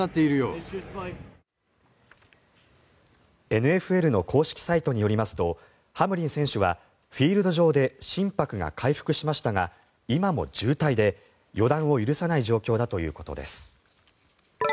ＮＦＬの公式サイトによりますとハムリン選手はフィールド上で心拍が回復しましたが今も重体で、予断を許さない状況だということです。